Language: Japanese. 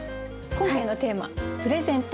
今回のテーマ「プレゼント」。